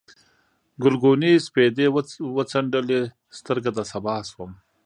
ګلګونې سپېدې وڅنډلې، سترګه د سبا شوم